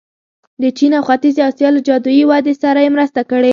د چین او ختیځې اسیا له جادويي ودې سره یې مرسته کړې.